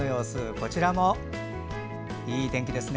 こちらもいい天気ですね。